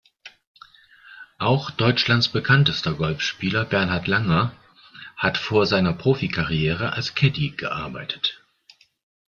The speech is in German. Auch Deutschlands bekanntester Golfspieler Bernhard Langer hat vor seiner Profi-Karriere als Caddie gearbeitet.